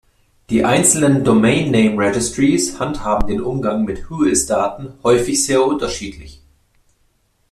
Die einzelnen Domain Name Registries handhaben den Umgang mit Whois-Daten häufig sehr unterschiedlich.